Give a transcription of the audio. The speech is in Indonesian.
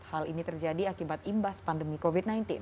hal ini terjadi akibat imbas pandemi covid sembilan belas